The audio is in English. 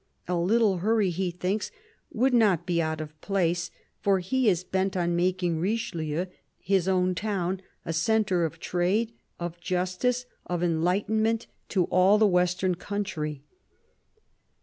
A Uttle hurry, he thinks, would not be out of place, for he is bent on making Richelieu, his own town, a centre of trade, of justice, of enlightenment, to all the western country.